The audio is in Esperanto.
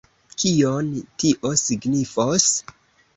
Kion tio signifos?